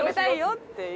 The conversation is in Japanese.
っていう。